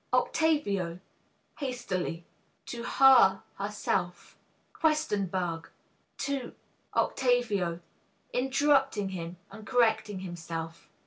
OCTAVIO. (Hastily.) To her herself Q. To OCTAVIO. (_Interrupting him and correcting himself.